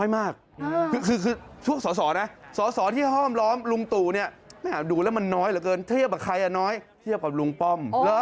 มีไหม